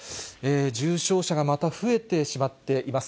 重症者がまた増えてしまっています。